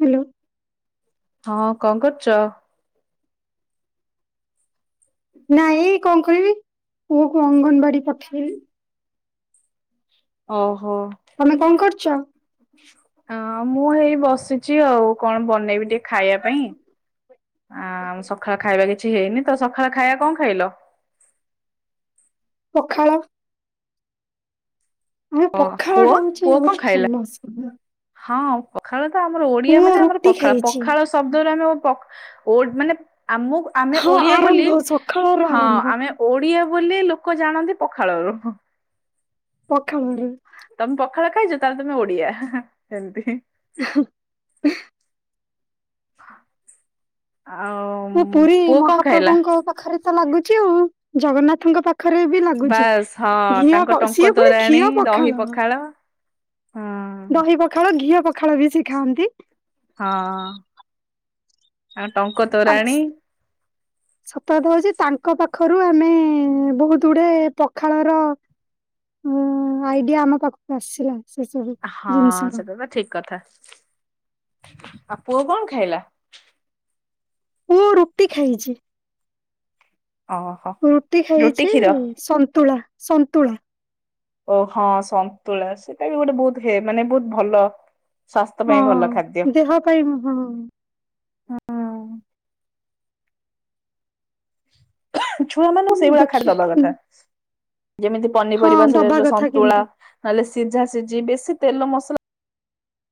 Hello. ହଁ, କଣ କରୁଛ? ନାଇଁ, କଣ କରିବି ପୁଅକୁ ଅଙ୍ଗନବାଡି ପଠେଇଲି। ଓ ହୋ। ତମେ କଣ କରୁଛ? ହଁ ମୁଁ ହେଇ ବସି ଛି ଆଉ କଣ ବନେଇବି ଟିକେ ଖାଇବା ପାଇଁ ଆ ସକାଳେ ଖାଇବା କିଛି କିଛି ହେଇନି ତ ସକାଳ ଖାଇବା କଣ ଖାଇଲ? ପଖାଳ। ଆମ ଓ ପୁଅ ପଖାଳଟା ହଉଛି ପୁଅ କଣ ବହୁତ ଖାଇଲା? ଫେମସ। ହଁ, ପଖାଳ ତ ଆମର ଓଡିଆ ମୁଁ ମାନେ ଆମର ରୁଟି ପଖାଳ, ଖାଇଛି ପଖାଳ ସବୁ ବେଳେ ଆମର ପଖା ଓ ମାନେ ଆମକୁ ଆମେ ହଁ ଓଡିଆ ବୋଲି, ଆରମ୍ଭ ସକାଳର ହଁ ଆରମ୍ଭ ଆମେ ଓଡିଆ ବୋଲି ଲୋକ ଜାଣନ୍ତି ପଖାଳରୁ ହୁ ପଖାଳ ରେ ତମେ ପଖାଳ ଖାଇଛ ତାହେଲେ ତମେ ଓଡିଆ ହଁ ହଁ ଏମିତି। [unintelligible] ଉ ହୁ [inaudible] ଆଓ ମୁଁ ପୁରୀ ମହାପ୍ରଭୁଙ୍କ ପାଖରେ ତ ଲାଗୁଛି ଆଉ ଜଗନ୍ନାଥଙ୍କ ପାଖ ପାଖରେ ବି ଲାଗୁଛି ବାସ୍ ହଁ ଘିଅ ତାଙ୍କ ଟଙ୍କ ସିଏ ପୁଣି ତୋରାଣୀ ଖିଅ ଦହି ପଖାଳ ହୁଁ ଦହି ପଖାଳ ଘିଅ ପଖାଳ ବି ସେ ଖାଆନ୍ତି। ହଁ ଆଉ ଟଙ୍କ ଆ ତୋରାଣୀ ସତ କଥା ହଉଛି ତାଙ୍କ ପାଖରୁ ଆମେ ବହୁତ ଗୁଡେ ପଖାଳ ର ମୁଁ ଆଇଡିଆ ଆମ ପାଖକୁ ଆସିଲା। ସେ ସବୁ ହଁ ଜିନିଷର ସେଟା ତ ଠିକ କଥା ଆଉ ପୁଅ କଣ ଖାଇଲା? ପୁଅ ରୁଟି ଖାଇଛି। ଓହୋ ରୁଟି ଖାଇଛି ସନ୍ତୁଳା ସନ୍ତୁଳା। ଓ ହଁ ସନ୍ତୁଳା ସେଇଟା ବି ଗୋଟେ ବହୁତ ହେ ମାନେ ବହୁତ ଭଲ ସ୍ୱାସ୍ଥ୍ୟ ପାଇଁ ଭଲ ଖାଦ୍ୟ। କହିବୁ ହୁ ଛୁଆ ମାନଙ୍କୁ ସେଇଭଳିଆ ଖାଦ୍ୟ ଦେଖି ଦବା କଥା ଯେମିତି ହଁ ପନିପରିବା ସେ ଦବା ଜୋ କଥା ସନ୍ତୁଳା କିନ୍ତୁ ନହେଲେ ସିଝା ସିଝି ବେଶି ତେଲ ମସଲା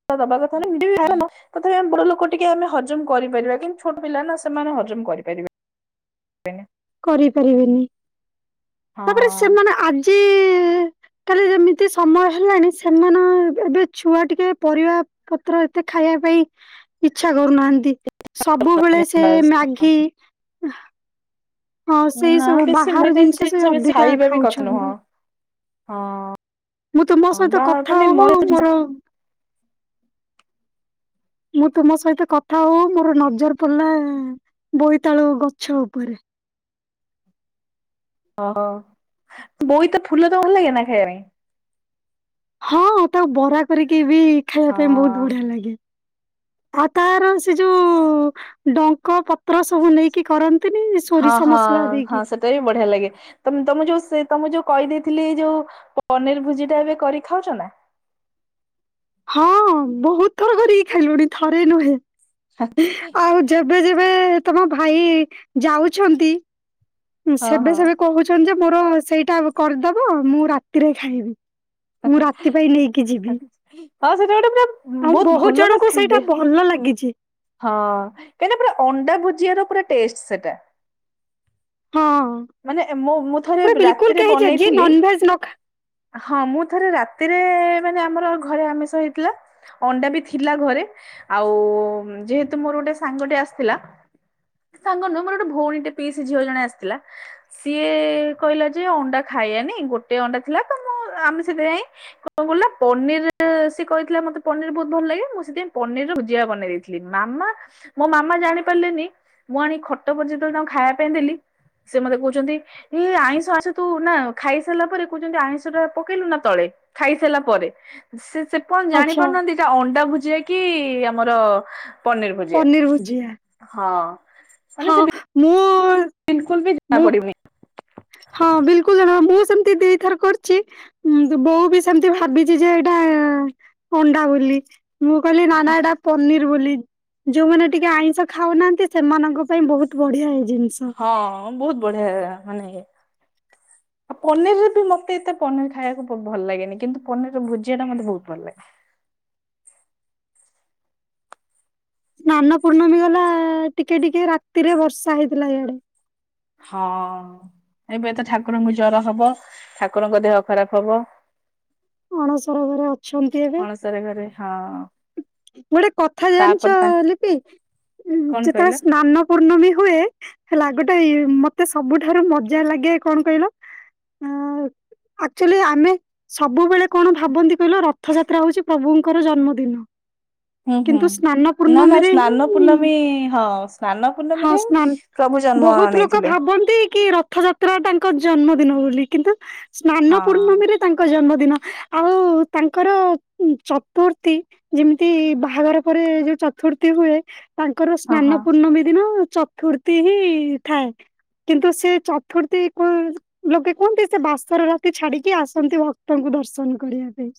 [unintelligible] ତଥାପି ଆମ ବଡ ଲୋକ ଟିକେ ଆମେ ହଜମ କରିପାରିବା କିନ୍ତୁ ଛୋଟ ପିଲା ନା ସେମାନେ ହଜମ କରିପାରିବେ ବେନି କରିପାରିବେନି ହଁ ତାପରେ ସେମାନେ ଆଜି [inaudible] କାଲି ଯେମିତି ସମୟ ହେଲାଣି ସେମାନେ ଅବେ ଏବେ ଛୁଆ ଟିକେ ପରିବା ପତ୍ର ଏତେ ଖାଇବା ପାଇଁ ଇଚ୍ଛା କରୁନାହାନ୍ତି ସବୁବେଳେ ସେ ବାସ୍ ମ୍ୟାଗି ହଁ ସେଇ ନା ସବୁ ବେଶୀ ମୁଇ ବାହାର ତ ସେ ଜିନିଷ ବେଶୀ ଅଧିକା ଖାଇବା ବି କଥା ନୁହଁ ଖାଉଛନ୍ତି। ହଁ ମୁଁ ତୁମ ହଁ [unintelligible] ସହିତ କଥା ବାହାହେଇଗଲେ ହଉ ହଉ ମୋର ମୁଁ ତୁମ ସହିତ କଥା ହଉ ମୋର ନଜର ପଡିଲା ବୋଇତାଳୁ ଗଛ ଉପରେ [unintelligible] ହଁ ତାକୁ ବରା କରିକି ବି ଖାଇବା ପାଇଁ ହଁ। ବହୁତ ବଢିଆ ଲାଗେ ଆଉ ତାର ସେ ଯୋଉ ଡଙ୍କ ପତ୍ର ସବୁ ନେଇକି କରନ୍ତିନି ସୋରିଷ ମସଲା ଦେଇକି ମତେ ବି ବଢିଆ ଲାଗେ। ତ ତମ ଯୋଉ ସେ ତମ ଯୋଉ କହିଦେଇଥିଲି ଯୋଉ ପନିର ଭୋଜି ଟା ଏବେ କରିକି ଖାଉଛ ନା। ହଁ ବହୁତ ଥର କରିକି ଖାଇଲୁଣି ଥରେ ନୁହେଁ ଆଉ ଯେବେ ଯେବେ ବେ ତମ ଭାଇ ଯାଉଚନ୍ତି ହଁ ସେବେ ହଁ ସେବେ କହୁଛନ୍ତି ଯେ ମୋର ସେଇଟା କରିଦବ ମୁଁ ରାତିରେ ଖାଇବି। ମୁଁ ରାତି ପାଇଁ ନେଇକି ଯିବି ହଁ ସେଟା ଗୋଟେ ପୁରା ଆଉ ବହୁତ ଭଲ ନା ଜଣଙ୍କୁ ସେଇଟା ଦେହ ଭଲ ଲାଗିଚି। ହଁ କାହିଁକିନା ପୁରା ଅଣ୍ଡା ଭୁଜିଆ ର ପୁରା ଟେଷ୍ଟ ସେଟା। ହଁ। ମାନେ ଏ ମୁଁ ମୁଁ ଥରେ ପୁରା ବିଲକୁଲ ରାତିରେ କେହି ଯେ ଯିଏ ବନେଇଥିଲି ନନଭେଜ ନ ଖା ହଁ ମୁଁ ଥରେ ରାତିରେ ମାନେ ଆମର ଘରେ ଆମିଷ ହେଇଥିଲା। ଅଣ୍ଡା ବି ଥିଲା ଘରେ ଆଉ ଯେହେତୁ ମୋର ଗୋଟେ ସାଙ୍ଗଟେ ଆସିଥିଲା। ସାଙ୍ଗ ନୁହିଁ ମୋର ଗୋଟ ଭଉଣୀ ଟେ ପିଇସୀ ଝିଅ ଜଣେ ଆସିଥିଲା। ସିଏ କହିଲା ଯେ ଅଣ୍ଡା ଖାଇଆନି ଗୋଟେ ଅଣ୍ଡା ଥିଲା ତ ମୁଁ ଆମେ ସେଥି ପାଇଁ କଣ କଲୁ ନା ପନିର ସେ କହିଥିଲା ମତେ ପନିର ବହୁତ ଭଲ ଲାଗେ ମୁଁ ସେଥିପାଇଁ ପନିର ର ଭୁଜିଆ ବନେଇ ଦେଇଥି ଲି ମାମା ମୋ ମାମା ଜାଣି ପାରିଲେନି ମୁଁ ଆଣି ଖଟ ଉପରେ ଯେତେଳେ ତାଙ୍କୁ ଖାଇବା ପାଇଁ ଦେଲି ସେ ମତେ କହୁଛନ୍ତି ଏଇ ଆଇଁଷ ଆଇଁଷ ତୁ ନା ଖାଇସାଇଲା ପରେ କହୁଛନ୍ତି ଆଇଁଷ ଟା ପକେଇଲୁ ନା ତଳେ। ଖାଇସାରିଲା ପରେ ସେ ସେପନ୍ତ ଜାଣି ଆଚ୍ଛା। ପାରୁନାହାନ୍ତି ଏଟା ଅଣ୍ଡା ଭୁଜିଆ କି ଆମର ପନିର ଭୁଜିଆ ହଁ। ହଁ ମାନେ ସେ ମୁଁ ବିଲକୁଲ ବି ମୁଁ ଜଣାପଡିବନି। ହଁ ବିଲକୁଲ ଜଣା ମୁଁ ସେମତି ଦିଥର କରିଚି ହୁଁ ବୋଉ ବି ସେମତି ଭାବିଚି ଯେ ଏଇଟା ଅଣ୍ଡା ବୋଲି। ମୁଁ କହିଲି ନା ନା ଏଟା ପନିର ବୋଲି ଯୋଉମାନେ ଟିକେ ଆଇଁଷ ଖାଉନାହାଁନ୍ତି ସେମାନଙ୍କ ପାଇଁ ବହୁତ ବଢିଆ ଏ ଜିନିଷ। ହଁ ବହୁତ ବଢିଆ ମାନେ ଆଉ ପନିରରେ ବି ମତେ ଏତେ ପନିର ଖାଇଆକୁ ଭ ଭଲ ଲାଗେନି କିନ୍ତୁ ପନିରର ଭୁଜିଆଟା ମତେ ବହୁତ ଭଲ ଲାଗେ। ସ୍ନାନପୂର୍ଣ୍ଣମୀ ଗଲା ଟିକେ ଟିକେ ରାତିରେ ବର୍ଷା ହେଇଥିଲା ଇଆଡେ। ହଁ। ଏବେ ତ ଠାକୁରଙ୍କୁ ଜର ହବ ଠାକୁରଙ୍କ ଦେହ ଖରାପ ହବ। ଅଣସର ଘରେ ଅଛନ୍ତି ଏବେ। ଅଣସର ଘରେ ହଁ ଗୋଟେ କଥା ତାପରେ ଜାଣିଚ ତା ଲିପି କଣ ଯେତେଳେ କହିଲ ସ୍ନାନ ପୂର୍ଣ୍ଣମୀ ହୁଏ ହେଲା ଗୋଟେ ଇ ମତେ ସବୁଠାରୁ ମଜା ଲାଗେ କଣ କହିଲ ଏଁ ଆକ୍ଚୋଆଲି ଆମେ ସବୁବେଳେ କଣ ଭାବନ୍ତି କହିଲ ରଥଯାତ୍ରା ହଉଚି ପ୍ରଭୁଙ୍କର ଜନ୍ମଦିନ। ହୁଁ ହୁଁ କିନ୍ତୁ ନା ନା ସ୍ନାନପୂର୍ଣ୍ଣମୀରେ ସ୍ନାନ ହିଁ ପୂର୍ଣ୍ଣମୀ ହଁ ସ୍ନାନ ହଁ ପୂର୍ଣ୍ଣମୀରେ ସ୍ନାନ ପ୍ରଭୁ ଜନ୍ମ ବହୁତ ଲୋକ ନେଇଥିଲେ ଭାବନ୍ତି କି ର ଥଯାତ୍ରା ତାଙ୍କ ଜନ୍ମଦିନ ବୋଲି କିନ୍ତୁ ହଁ ସ୍ନାନପୂର୍ଣ୍ଣମୀରେ ଙ୍କ ଜନ୍ମଦିନ ଆଉ ତାଙ୍କର ଅ ଚତୁର୍ଥୀ ଯେମିତି ବାହାଘର ପରେ ଯୋଉ ଚତୁର୍ଥୀ ହୁଏ ତାଙ୍କର ହଁ ହଁ ସ୍ନାନପୂର୍ଣ୍ଣମୀ ଦିନ ଚତୁର୍ଥି ହିଁ ଥାଏ। କିନ୍ତୁ ସେ ଚତୁର୍ଥୀ କୁ ଲୋକେ କୁହନ୍ତି ସେ ବାସର ରାତି ଛାଡିକି ଆସନ୍ତି ଭ କ୍ତଙ୍କୁ ଦର୍ଶନ କରିବା ପେଇଁ।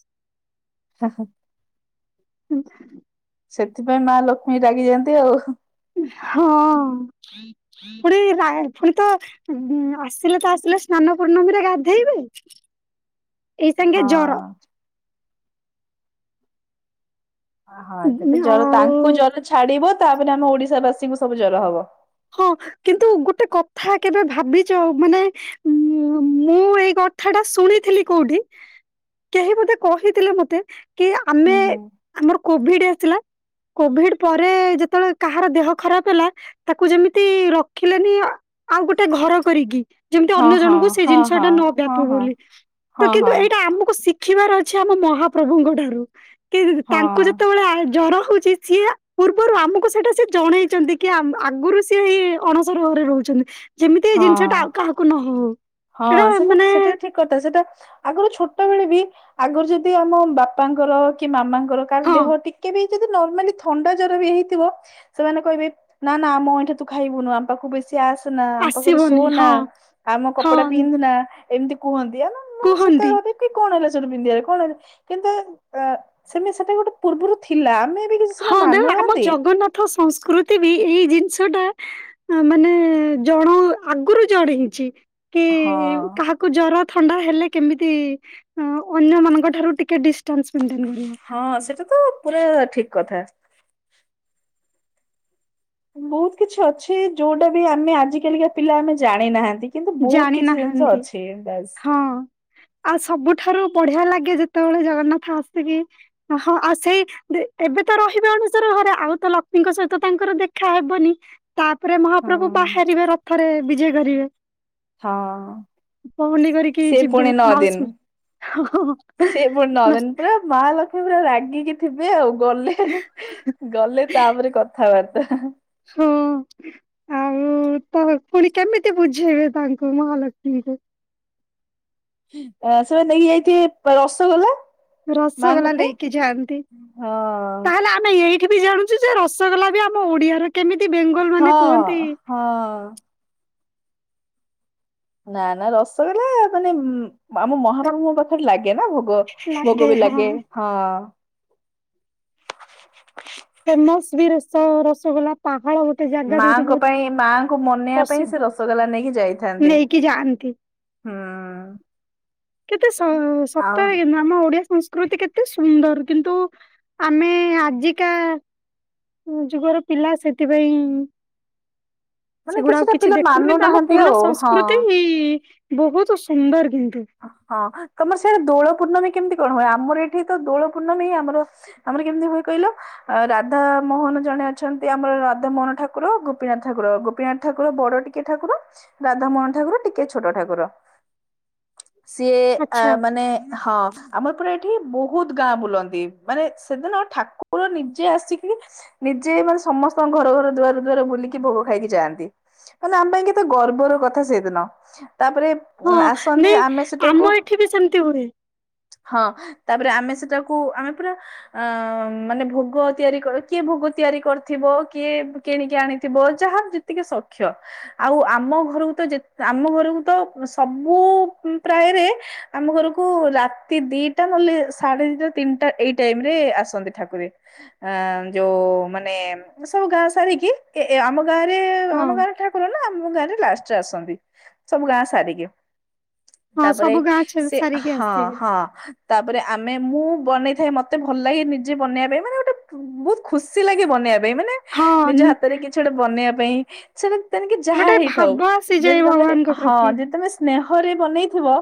ହ ହ। ହୁଁ। ସେଥିପାଇଁ ମା ଲକ୍ଷ୍ମୀ ରାଗିଯାଆନ୍ତି ଆଉ। ହଁ ଫୁଣି ରା ଫୁଣି ତ ହୁଁ ଆସିଲେ ତ ଆସିଲେ ସ୍ନାନପୂର୍ଣ୍ଣମୀରେ ଗାଧେଇବେ ଏଇ ସାଙ୍ଗେ ଜର ହଁ ଓ ହ ସେ ତ ଜର ଆଉ ତାଙ୍କୁ ଜର ଛାଡିବ ତାପରେ ଆମ ଓଡିଶାବାସୀଙ୍କୁ ସବୁ ଜର ହବ। ହଁ କିନ୍ତୁ ଗୋଟେ କଥା କେବେ ଭାବିଚ ମାନେ ମୁଁ ଏଇ କଥାଟା ଶୁଣିଥିଲି କୋଉଠି କେହି ବୋଧେ କହିଥିଲେ ମତେ କି ହୁଁ ଆମେ ହୁଁ ଆମର କୋଭିଡ ଆସିଲା କୋଭିଡ ପରେ ଯେତବଳେ କାହାର ଦେହ ଖରାପ ହେଲା ତାକୁ ଯେମିତି ରଖିଲେନି ଆଉ ଗୋଟେ ଘର କରିକି ଯେମିତି ହଁ ଅନ୍ୟ ହଁ ଜଣଙ୍କୁ ସେ ହଁ ଜିନିଷଟା ନ ହଁ ବ୍ୟାପୁ ହଁ ବୋଲି ତ ହଁ କିନ୍ତୁ ହଁ ଏଇଟା ଆମୁକୁ ଶିଖ ଖିବାର ଅଛି ଆମ ମହାପ୍ରଭୁଙ୍କଠାରୁ କି ହଁ ହଁ ତାଙ୍କୁ ଯେତବଳେ ଆ ଜର ହୋଉଚି ସିଏ ପୂର୍ବରୁ ଆମକୁ ସେଇଟା ସିଏ ଜଣେଇଚନ୍ତି କି ଆମ ଆଗରୁ ସିଏ ଏ ଅଣସର ଘରେ ରହୁଛନ୍ତି। ଯେମିତି ଏଇ ଜିନିଷଟା ହଁ ଆଉ କାହାକୁ ନ ହୋଉ। ହଁ ସେଟା ସେଟା ଠିକ୍ କଥା ସେଟା ଆଗରୁ ଛୋଟବେଳେ ବି ଆଗରୁ ଯଦି ଆମ ବାପାଙ୍କର କି ମାମାଙ୍କ ର କାର ହଁ ଦେହ ଟିକେ ବି ଯଦି ନର୍ମାଲି ଥଣ୍ଡା ଜର ବି ହେଇଥିବ ସେମାନେ କହିବେ ନା ନା ଆମ ଅଇଁଠା ତୁ ଖାଇବୁନୁ ଆମ ପାଖକୁ ବେସ ସି ଆସେନା ଆମ ପାଖରେ ଆସିବନି ଶୋନା ହଁ ଆମ କ ହଁ ନା ଏମତି କୁହନ୍ତି ଆ ନା ନା କୁହନ୍ତି ସେତେବେଳେ ବି କି କଣ ହେଲା ସେଇତୁ ପିନ୍ଧିଆରେ କଣ ହେ କିନ୍ତୁ ଅ ସେମ ସେତେବେଳେ ଗୋଟେ ପୂର୍ବରୁ ଥିଲା ଆମେ ବି କି ହଁ ଦେ ଆମ ଜଗନ୍ନାଥ ସଂସ୍କୃତି ବି ଏଇ ଜିନିଷଟା ଆଁ ମାନେ ଜଣ ଆଗରୁ ଜଣେଇଚି କି ହଁ କାହା କୁ ଜର ଥଣ୍ଡା ହେଲେ କେମିତି ଅ ଅନ୍ୟମାନଙ୍କ ଠାରୁ ଟିକେ ଡିଷ୍ଟାନ୍ସ ମେଣ୍ଟେନ କରିବ। ହଁ ସେଟା ତ ପୁରା ଠିକ୍ କଥା। ବୋହୁତ କିଛି ଅଛି ଯୋଉଟା ବି ଆମେ ଆଜିକାଲିକା ପିଲା ଆମେ ଜାଣିନାହାନ୍ତି। କିନ୍ତୁ ବହୁତ କିଛି ଜିନିଷ ଜାଣିନାହାନ୍ତି ଅଛି। ବାସ୍ ହଁ ଆଉ ସବୁଠାରୁ ବଢିଆ ଲାଗେ ଯେତେବେଳେ ଜଗନ୍ନାଥ ଆସି କିି ହଁ ଆଉ ସେଇ ଏବେ ତ ରହିବେ ଅନଣସର ଘରେ ଆଉ ତ ଲକ୍ଷ୍ମୀଙ୍କ ସହିତ ତାଙ୍କର ଦେଖାହବନି ତାପରେ ହଁ। ମହାପ୍ରଭୁ ବାହାରିବେ ରଥରେ ବିଜେ କରିବେ। ହଁ ପହଣ୍ଡି କରିକି ସେ ଯିବେ ପୁଣି ନଅ ଦିନ ମାଉସୀ ହଁ। ସେ ପୁଣି ନଅ ଦିନ ପୁରା ମାହାଲକ୍ଷ୍ମୀ ପୁରା ରାଗିକି ଥିବେ ଆଉ। ଗଲେ ଗଲେ ତାପରେ କଥାବାର୍ତ୍ତା। ହଁ ଆଉ ତ ପୁଣି କେମିତି ବୁଝେଇବେ ତାଙ୍କୁ ମହାଲକ୍ଷ୍ମୀଙ୍କୁ? ସେ ବା ନେଇକି ଯାଇଥିବେ ରସଗୋଲା। ମାଙ୍କ ରସଗଲା ପାଇଁ ନେଇକି ଯାଆନ୍ତି। ହଁ ତାହେଲେ ଆମେ ଏଇ ବି ଜାଣୁ ଯେ ରସଗୋଲା ବି ଆମ ଓଡିଆର କେମିତି ବେଙ୍ଗ ହଁ ହଁ ନା ନା ରସଗୋଲା ମାନେ ଆମ ମହାପ୍ରଭୁଙ୍କ ପାଖରେ ଲାଗେ ନା ଭୋଗ ଭୋଗ ବି ଲାଗେ। ହଁ ଫେମସ୍ ବି ରସ ରସଗୋଲା ପାହାଳ ଜାଗା ଯୋଉଠି ମାଙ୍କ ବହୁତ ପାଇଁ ମାଙ୍କୁ ମନେଇବା ପାଇଁ ସେ ପ୍ରସିଦ୍ଧ ରସଗୋଲା ନେଇକି ଯାଇଥାନ୍ତି। ନେଇକି ଯାଆନ୍ତି। ହୁଁ କେତେ ସ ଆଉ [unintelligible] ନା ଆମ ଓଡିଆ ସଂସ୍କୃତି କେତେ ସୁନ୍ଦର। କିନ୍ତୁ ଆମେ ଆଜିକା ଯୁଗର ପିଲା ସେଥିପାଇଁ ମାନେ ସେଗୁଡା ଆଉ କିଛିଟା କିଛି ପିଲା ଦେଖୁନୁ କିନ୍ତୁ ଆମ ମାନୁନାହାନ୍ତି ପୁରୁଣା ଆଉ ହଁ। ସଂସ୍କୃତି ବୋହୁତ ସୁନ୍ଦର କିନ୍ତୁ। ହଁ ତମର ସେଇଆଡେ ଦୋଳ ପୂର୍ଣ୍ଣମୀ କେମିତି କଣ ହୁଏ? ଆମର ଏଠି ତ ଦୋଳ ପୂର୍ଣ୍ଣମୀଁ ହିଁ ଆମର ଆମର କେମିତି ହୁଏ କହିଲ ଆ ରାଧ ମୋହନ ଜଣେ ଅଛନ୍ତି, ଆମର ରାଧ ମୋହନ ଠାକୁର, ଗୋପୀନାଥ ଠାକୁର, ଗୋପୀନାଥ ଠାକୁର ବଡ ଟି କି ଠାକୁର? ରାଧାାମୋହନ ଠାକୁର ଟିକେ ଛୋଟ ଠାକୁର। ସିଏ ଆ ଆଚ୍ଛା ମାନେ ହଁ। ଆମର ପୁରା ଏଠି ବୋହୁତ୍ ଗାଁ ବୁଲନ୍ତି। ମାନେ ସେଦିନ ଠାକୁର ନିଜେ ଆସିକି ନିଜେ ମାନେ ସମସ୍ତଙ୍କ ଘର ଘର ଦୁଆର ଦୁଆର ବୁଲିକି ଭୋଗ ଖାଇକି ଯାଆନ୍ତି। ମାନେ ଆମ ପାଇଁ କେତେ ଗର୍ବର କଥା ସେଦିନ। ତାପରେ ହଁ ଆସନ୍ତି ନାଇଁ ଆମେ ସେଟାକୁ ଆମ ଏଠି ବି ସେମିତି ହୁଏ। ହଁ ତାପରେ ଆମେ ସେଟାକୁ ଆମେ ପୁରା ଅ ମାନେ ଭୋଗ ତିଆରି କରେ, କିଏ ଭୋଗ ତିଆରି କରିଥିବ। କିଏ କିଣିକି ଆଣିଥିବ ଯାହା ତିକେ ସକ୍ଷ। ଆଉ ଆମ ଘରକୁ ତ ଯେ ଆମ ଘରକୁ ତ ସବୁ ମୁଁ ପ୍ରାୟରେ ଆମ ଘରକୁ ରାତି ଦିଟା ନହେଲେ ସାଢେ ଦିଟା ତିନିଟା ଏଇ ଟାଇମ୍ ରେ ଆସନ୍ତି ଠାକୁ ରେ। ଅ ଯୋଉ ମାନେ ସବୁ ଗାଁ ସାରିକି ଏ ଆମ ଗାଁରେ, ହଁ। ଆମ ଗାଁରେ ଠାକୁର ନା, ଆମ ଗାଁରେ ଲାଷ୍ଟରେ ଆସନ୍ତି ସବୁ ଗାଁ ସାରିକି। ହଁ ତାପରେ ସବୁ ଗାଁ ଛେ ସେ, ସାରିକି ହଁ ଆସିବେ ହଁ। ତାପରେ ଆମେ ମୁଁ ବନେଇଥାଏ ମତେ ଭଲ ଲାଗେ ନିଜେ ବନେଇବା ପାଇଁ ମାନେ ଗୋଟେ ବୋହୁତ୍ ଖୁସି ଲାଗେ ବନେଇବା ପାଇଁ। ମାନେ ହଁ ନିଜ ନ- ହାତରେ କିଛି ଗୋଟେ ବନେଇବା ପାଇଁ। ସେଟା ତେଣିକି ଯାହା ଗୋଟେ ହେଇଥାଉ, ଭାବ ଆସିଯାଏ ଯଦି ତମେ ଭଗବାନଙ୍କ ହଁ ପ୍ରତି ଯଦି ତମେ ସ୍ନେହରେ ବନେଇଥିବ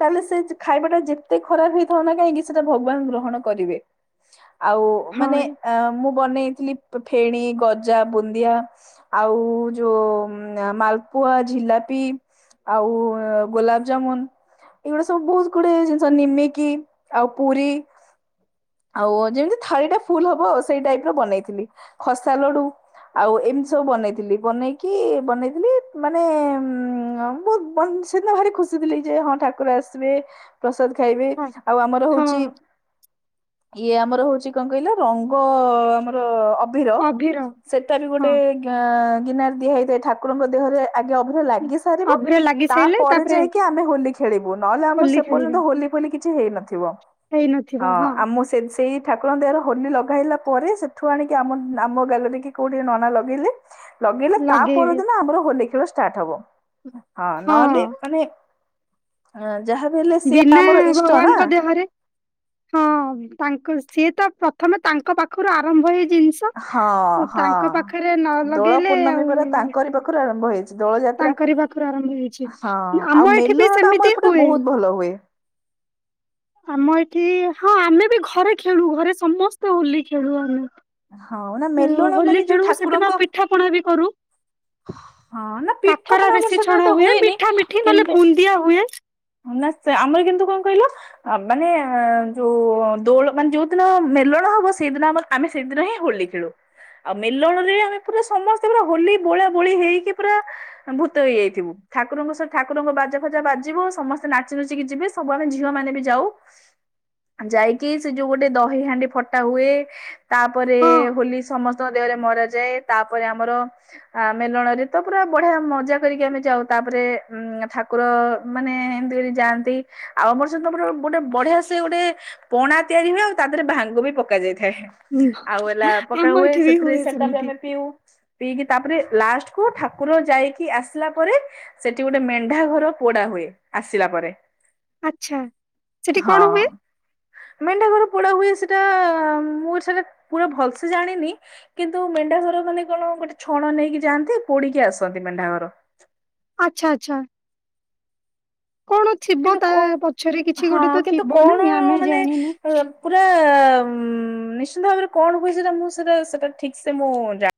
ତାହେଲେ ସେ ଖାଇବା ଟା ଯେତେ ଖରାପ ହେଇଥାଉ ନା କାହିଁକି ସେଟା ଭଗବାନ ଗ୍ରହଣ କରିବେ। ଆଉ ହଁ ମାନେ ଏ- ଅ ମୁଁ ବନେଇଥିଲି ଫେଣି, ଗଜା, ବୁନ୍ଦିଆ ଆଉ ଯୋଉ ମାଲପୁଆ, ଝିଲାପି ଆଉ ଗୁଲାବଜାମୁନ୍ ଏଇଗୁଡା ସବୁ ବୋହୁତ୍ ଗୁଡେ ଜିନିଷ ନିମିକି ଆଉ ପୁରୀ ଆଉ ଅ ଯେମିତି ଥାଳି ଟା ଫୁଲ୍ ହବ ସେଇ ଟାଇପ୍ ର ବନେଇଥିଲି। ଖସା ଲଡୁ ଆଉ ଏମିତି ସବୁ ବନେଇଥିଲି। ବନେଇକି, ବନେଇଥିଲି ମାନେ ଉ ବନ ସେଦିନ ଭାରି ଖୁସି ଥିଲି, ଯେ ହଁ ଠାକୁର ଆସିବେ, ପ୍ରସାଦ ଖାଇବେ, ହଁ ଆଉ ଆମର ହଁ ହଉଛି ଇଏ ଆମର ହଉଛି କଣ କହିଲ ରଙ୍ଗ ଆମର ଅ ଭିର, ଅଭିର ସେଟା ବି ହଁ। ଗୋଟେ ଗୀ-ଗିନାର ଦିଆ ହେଇଥାଏ, ଠାକୁରଙ୍କ ଦେହରେ ଆଗେ ଅ ଉଁ, ଲାଗି ସାରିବ, ଅଭିର ଲାଗି ତା ସାରିଲେ ପରେ ତାପରେ ଯାଇ କି ଆମେ ହୋଲି ଖେଳିବୁ ନହେଲେ ଆମର ହୋଲି ସେ ପର୍ଯ୍ୟନ୍ତ ଖେଳିବା ହୋଲି ଫୋଲି କିଛି ହେଇ ନଥିବ। ହଁ ଆମ ସେ ସେଇ ଠାକୁରଙ୍କ ଦେହର ହୋଲି ଲଗାଇଲା ପରେ, ସେଠୁ ଆଣିକି ଆମ ଆମ ଗାଲରେ କି କୋଉଠି ନନା ଲଗେଇଲେ ଲଗେଇଲେ ତା ଲଗେଇବେ। ପରଦିନ ଆମର ହୋଲି ଖେଳ ଷ୍ଟାର୍ଟ ହବ। ହଁ ନହେଲେ ମାନେ ଯାହା ବି ହେଲେ ସିଏ ବିନା ଆମର ଇଷ୍ଟ ନା। ଭଗବାନଙ୍କ ଦେହରେ ହଁ ତାଙ୍କ ସିଏ ତ ପ୍ରଥମେ ତାଙ୍କ ପାଖରୁ ଆରମ୍ଭ ଏଇ ହଁ ଜିନ୍ସ୍ ହଁ ତାଙ୍କ ପାଖରେ ନ ଦୋଳ ଲଗେଇଲେ ପୂର୍ଣ୍ଣମୀ ପରା ଆଉ ତାଙ୍କରି ପାଖରୁ ଆରମ୍ଭ ହେଇଛି ଦୋଳ ଯାତ୍ରା ତାଙ୍କରି ବା ପାଖ ରୁ ଆରମ୍ଭ ହଁ ହେଇଛି। ଆଉ ଆମ ଏଠି ମେଲଣ ବି ଟା ଆମ ସେମିତି ଏପଟେ ହୁଏ। ବହୁତ ଭଲ ହୁଏ ଆମ ଏଠି, ହଁ ଆମେ ବି ଘରେ ଖେଳୁ। ଘରେ ସମସ୍ତେ ହୋଲି ଖେଳୁ ହଁ ନା ଆମେ। ମେଲଣ ମାନେ ହୋଲି ଯୋଉ ଖେଳୁ ଠାକୁରଙ୍କ ସେଦିନ ପିଠା ପଣା ବି କରୁ ହଁ ନା ପିଠା କାକରା ପଣା ଆମର ବେଶୀ ଛଣ ସାଧାରଣତଃ ହୁଏ। ହୁଏନି ମିଠା ମିଠି ନହେଲେ କିନ୍ତୁ ବୁନ୍ଦିଆ ହୁଏ। ନା ଆମର କିନ୍ତୁ କଣ କହିଲ ଆ ମାନେ ଯୋଉ ଦୋଳ, ମାନେ ଯୋଉଦିନ ମେଲଣ ହବ ସେଇଦିନ ଆମର ଆମେ ସେଦିନ ହିଁ ହୋଲି ଖେଳୁ। ଆଉ ମେଲଣ ରେ ଆମେ ପୁରା ସମସ୍ତେ ପୁରା ହୋଲି ବୋଳା ବୋଳି ହେଇକି ପୁରା ଭୂତ ହେଇଯାଇଥିବୁ। ଠାକୁରଙ୍କ ସ- ଠାକୁରଙ୍କ ବାଜା ଫାଜା ବାଜିବ ସମସ୍ତେ ନାଚି ନୁଚିକି ଯିବେ, ସବୁ ଆମେ ଝିଅ ମାନେ ବି ଯାଉ। ଯାଇକି ସେ ଯୋଉ ଗୋଟେ ଦହି ହାଣ୍ଡି ଫଟା ହୁଏ ତାପରେ ହଁ। ହୋଲି ସମସ୍ତଙ୍କ ଦେହରେ ମର ଯାଏ। ତାପରେ ଆମର ଆ ମେଲଣ ରେ ତ ପୁରା ବଢିଆ ମଜା କରିକି ଆମେ ଯାଉ। ତାପରେ ଉ ଠାକୁର ମାନେ ଏମିତି କରି ଯାଆନ୍ତି। ଆଉ ଆମର ସେ ଦିନ ପୁର ଗୋଟେ ବଢିଆ ସେ ଗୋଟେ ପଣା ତିଆରି ହୁଏ ଆଉ ତା ଦେହରେ ଭାଙ୍ଗ ବି ପକା ଯାଇଥାଏ। ଆଉ ହେଲା ପକା ଆମ ହୁଏ ଏଠି ବି ସେଥିରେ ସେଟା ବି ସେମିତି ଆମେ ପିଉ। ପିଇକି ତାପରେ ଲାଷ୍ଟ କୁ ଠାକୁର ଯାଇକି ଆସିଲା ପରେ ସେଠି ଗୋଟେ ମେଣ୍ଢା ଘର ପୋଡା ହୁଏ। ଆସିଲା ପରେ ଆଚ୍ଛା ସେଠି ହଁ କଣ ହୁଏ ମେଣ୍ଡା ଘର ପୋଡା ହୁଏ ସେଟା ମୁଁ ଏ ସେଟା ପୁରା ଭଲସେ ଜାଣିନି କିନ୍ତୁ ମେଣ୍ଢା ଘର ମାନେ କଣ ଗୋଟେ ଛଣ ନେଇକି ଯାଆନ୍ତି ପୋଡିକି ଆସନ୍ତି ମେଣ୍ଢା ଘର। ଆଛା ଆଚ୍ଛା କଣ ଥିବ କିନ୍ତୁ ତା କଣ ପଛରେ କିଛି ହଁ ଗୋଟେ ତ କିନ୍ତୁ ଥିବ ନା କଣ ଆମେ ମାନେ ଜାଣିନୁ। ପୁରା ନିଶ୍ଚିନ୍ତ ଭାବରେ କଣ ହୁଏ ସେଟା ମୁଁ ସେଟା ସେଟା ଠିକ ସେ ମୁଁ ଜାଣ